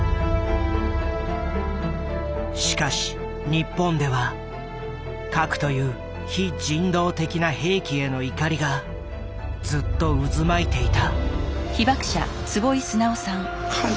しかし日本では核という非人道的な兵器への怒りがずっと渦巻いていた。